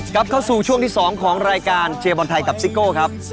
กลับเข้าสู่ช่วงที่๒ของรายการเชียร์บอลไทยกับซิโก้ครับ